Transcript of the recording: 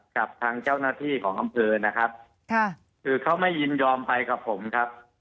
กับทางเจ้าหน้าที่ของอำเภอนะครับค่ะคือเขาไม่ยินยอมไปกับผมครับ